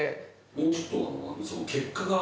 もうちょっと。